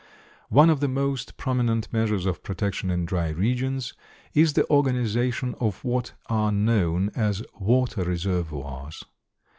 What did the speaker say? One of the most prominent measures of protection in dry regions is the organization of what are known as water reservoirs.